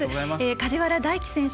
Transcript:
梶原大暉選手